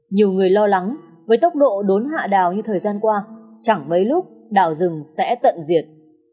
nhiều người lo lắng với tốc độ đốn hạ đào như thời gian qua chẳng mấy lúc đào rừng sẽ tận diệt